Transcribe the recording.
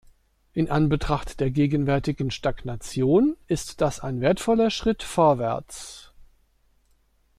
In Anbetracht der gegenwärtigen Stagnation ist das ein wertvoller Schritt vorwärts.